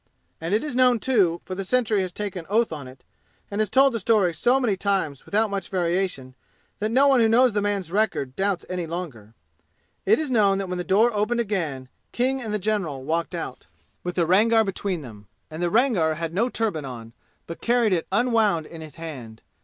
And it is known, too, for the sentry has taken oath on it and has told the story so many times without much variation that no one who knows the man's record doubts any longer it is known that when the door opened again King and the general walked out, with the Rangar between them. And the Rangar had no turban on, but carried it unwound in his hand.